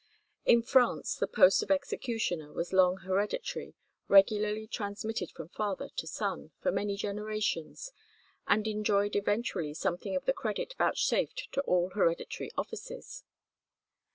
In France the post of executioner was long hereditary, regularly transmitted from father to son, for many generations, and enjoyed eventually something of the credit vouchsafed to all hereditary offices.